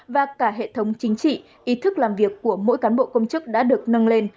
và cả hệ thống chính trị ý thức làm việc của mỗi cán bộ công chức đã được nâng lên